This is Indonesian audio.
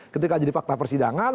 ketika jadi fakta persidangan